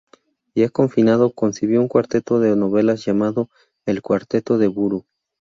Ya confinado, concibió un cuarteto de novelas llamado "El cuarteto de Buru".